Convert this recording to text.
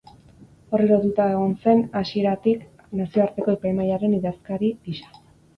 Horri lotuta egon zen hasieratik Nazioarteko Epaimahaiaren idazkari gisa.